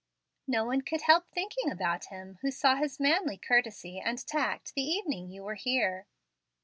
"No one could help thinking about him who saw his manly courtesy and tact the evening you were here."